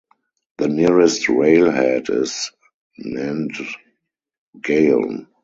The nearest rail head is Nandgaon.